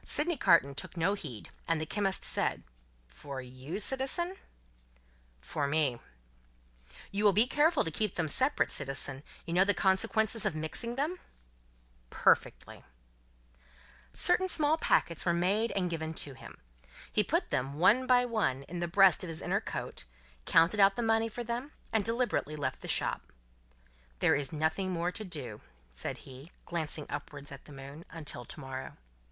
hi! hi!" Sydney Carton took no heed, and the chemist said: "For you, citizen?" "For me." "You will be careful to keep them separate, citizen? You know the consequences of mixing them?" "Perfectly." Certain small packets were made and given to him. He put them, one by one, in the breast of his inner coat, counted out the money for them, and deliberately left the shop. "There is nothing more to do," said he, glancing upward at the moon, "until to morrow.